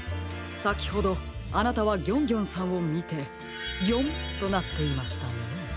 さきほどあなたはギョンギョンさんをみて「ギョン！」となっていましたね。